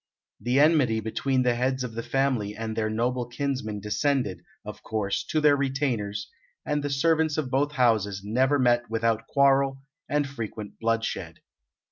The enmity between the heads of the family and their noble kinsmen descended, of course, to their retainers, and the servants of both houses never met without quarrel, and frequent bloodshed.